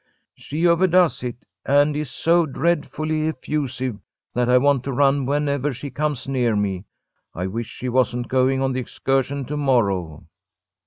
She overdoes it, and is so dreadfully effusive that I want to run whenever she comes near me. I wish she wasn't going on the excursion to morrow."